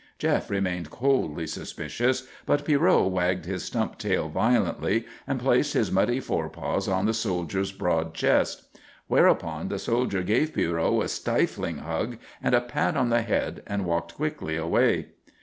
Jef remained coldly suspicious, but Pierrot wagged his stump tail violently and placed his muddy forepaws on the soldier's broad chest. Whereupon the soldier gave Pierrot a stifling hug and a pat on the head and walked quickly away.